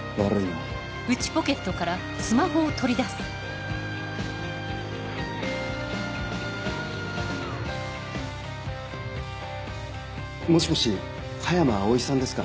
悪いなもしもし葉山葵さんですか？